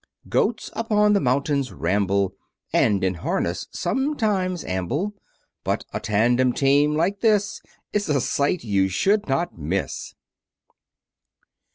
Goats upon the mountains ramble, And in harness sometimes amble; But a tandem team like this, Is a sight you should not miss.